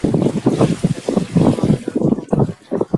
দেখো রাজ, তোমরা দুজনই প্রথমবারের দেখা করেছো।